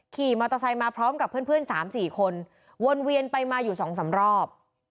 ขี่มอเตอร์ไซค์มาพร้อมกับเพื่อน๓๔คนวนเวียนไปมาอยู่๒๓รอบ